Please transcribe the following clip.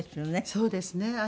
そうですね。